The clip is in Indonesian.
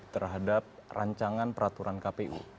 terhadap rancangan peraturan kpu